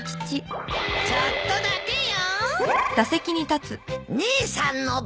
ちょっとだけよ。